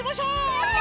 やった！